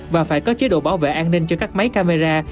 và phải có chế độ bảo vệ an ninh cho các máy camera